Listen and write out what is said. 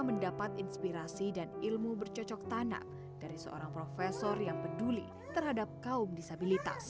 mendapat inspirasi dan ilmu bercocok tanah dari seorang profesor yang peduli terhadap kaum disabilitas